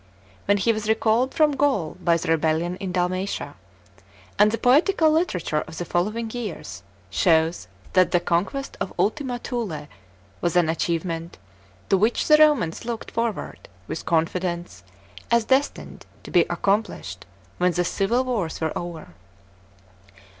when he was recalled from Gaul by the rebellion in Dalmatia; and the poetical literature of the follow ing years shows that the conquest of "ultima Thule" was an achievement to which the Romans looked forward with confidence as destined to be accomplished when ihe civil wars were over.